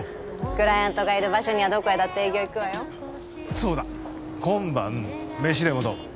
クライアントがいる場所にはどこへだって営業行くわよそうだ今晩メシでもどう？